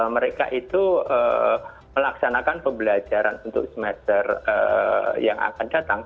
mereka itu melaksanakan pembelajaran untuk semester yang akan datang